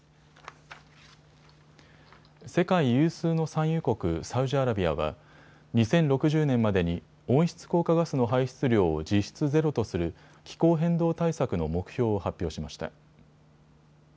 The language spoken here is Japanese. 世界有数の産油国、サウジアラビアは２０６０年までに温室効果ガスの排出量を実質ゼロとする気候変動対策の目標を発表しました。